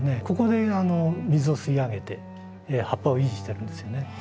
ここで水を吸い上げて葉っぱを維持してるんですよね。